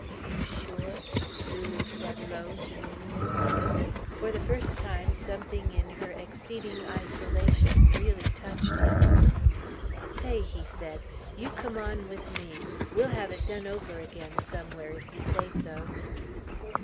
"You sure?" Lulu said low to Ninian. For the first time, something in her exceeding isolation really touched him. "Say," he said, "you come on with me. We'll have it done over again somewhere, if you say so."